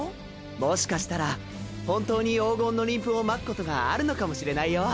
もしかしたら本当に黄金の鱗粉をまくことがあるのかもしれないよ。